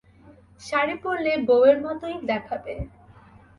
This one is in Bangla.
শাড়ি পরলে বউয়ের মতোই দেখাবে।